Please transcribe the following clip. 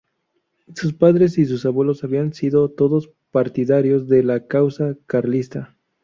Sus padres y sus abuelos habían sido todos partidarios de la causa carlista.